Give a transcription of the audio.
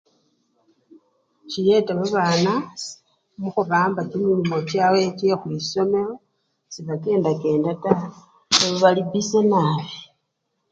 Chiyeta babana mukhuramba kimilimo kyabwe kye khwisomelo, sebakendakenda taa khuba bali biise nabii.